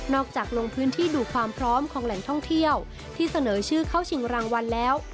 จากลงพื้นที่ดูความพร้อมของแหล่งท่องเที่ยวที่เสนอชื่อเข้าชิงรางวัลแล้ว